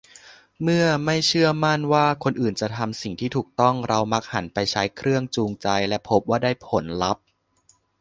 เมื่อไม่เชื่อมั่นว่าคนอื่นจะทำสิ่งที่ถูกต้อง เรามักหันไปใช้ 'เครื่องจูงใจ' และพบว่าได้ผลลัพธ์